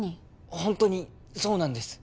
ホントにそうなんです